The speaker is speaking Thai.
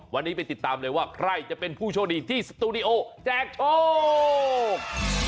วันนี้ไปติดตามเลยว่าใครจะเป็นผู้โชคดีที่สตูดิโอแจกโชค